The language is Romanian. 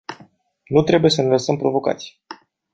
Nu trebuie să ne lăsăm provocați.